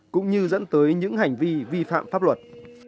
cũng như dẫn tới những hành vi vi phạm pháp luật